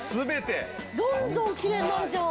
どんどんきれいになるじゃん。